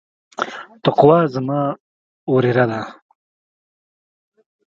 تقوا زما وريره ده.